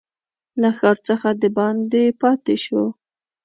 له ښار څخه دباندي پاته شو.